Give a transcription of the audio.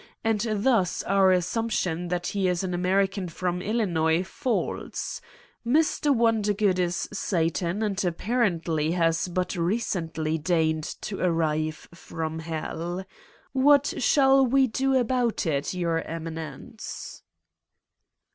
And thus our assumption that he is an American from Illinois falls. Mr. Wondergood is Satan and apparently 254 Satan's Diary has but recently deigned to arrive from Hell. What shall we do about it, Your Eminence